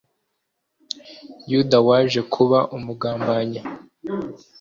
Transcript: Yuda waje kuba umugambanyi